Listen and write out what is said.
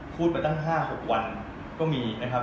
พูดมาตั้ง๕๖วันก็มีนะครับ